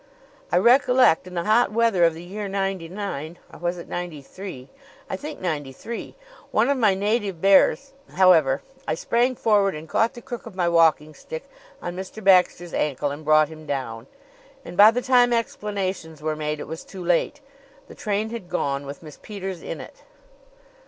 "I recollect, in the hot weather of the year '99 or was it '93? I think '93 one of my native bearers However, I sprang forward and caught the crook of my walking stick on Mr. Baxter's ankle and brought him down. And by the time explanations were made it was too late. The train had gone, with Miss Peters in it."